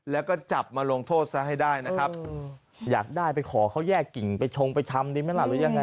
แล้วก็จับมาลงโทษซะให้ได้นะครับอยากได้ไปขอเขาแยกกิ่งไปชงไปทำดีไหมล่ะหรือยังไง